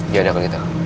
ya udah kalau gitu